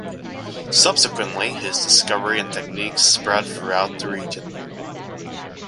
Subsequently, his discovery and techniques spread throughout the region.